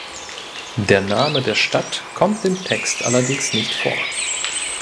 Der Name der Stadt kommt im Text allerdings nicht vor.